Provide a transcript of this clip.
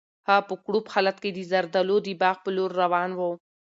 هغه په کړوپ حالت کې د زردالو د باغ په لور روان و.